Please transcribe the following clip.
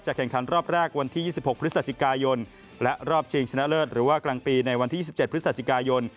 แข่งขันรอบแรกวันที่๒๖พฤศจิกายนและรอบชิงชนะเลิศหรือว่ากลางปีในวันที่๒๗พฤศจิกายน